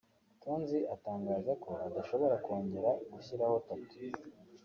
Tonzi atangaza ko adashobora kongera gushyiraho Tattoo